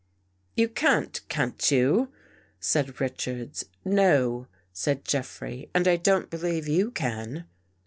" You can't, can't you," said Richards. " No," said Jeffrey, and I don't believe you can.